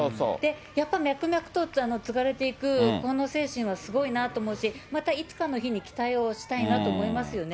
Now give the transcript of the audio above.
やっぱり脈々と継がれていく、この精神はすごいなと思うし、またいつかの日に期待をしたいなと思いますよね。